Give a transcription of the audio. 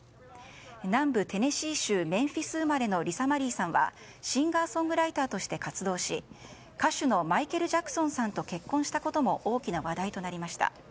南部テネシー州メンフィス生まれのリサ・マリーさんはシンガーソングライターとして活動し歌手のマイケル・ジャクソンさんと結婚したことも大きな話題となりました。